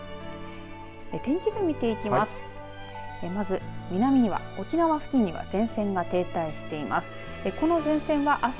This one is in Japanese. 天気図、見ていきます。